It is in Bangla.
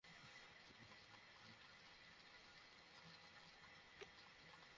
আর তাদের এই স্বাধীনতায় দেশ চালাবে কে?